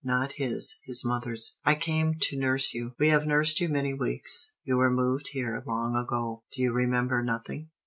Not his, his mother's. "I came to nurse you. We have nursed you many weeks. You were moved here long ago. Do you remember nothing?"